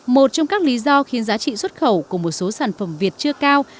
một trong các lý do khiến giá trị xuất khẩu của một số sản phẩm việt chưa cao